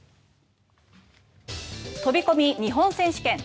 飛込日本選手権。